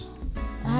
あ。